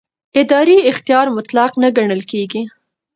اداري اختیار مطلق نه ګڼل کېږي.